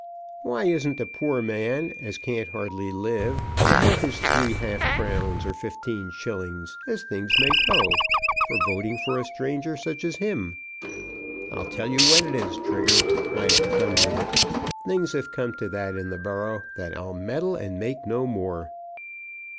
Why isn't a poor man, as can't hardly live, to have his three half crowns or fifteen shillings, as things may go, for voting for a stranger such as him? I'll tell you what it is, Trigger, I've done with it. Things have come to that in the borough, that I'll meddle and make no more."